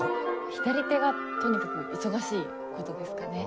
左手がとにかく忙しい事ですかね。